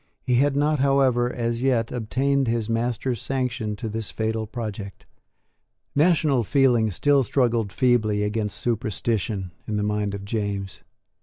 He had not, however, as yet, obtained his master's sanction to this fatal project. National feeling still struggled feebly against superstition in the mind of James.